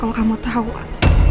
saya sudah poop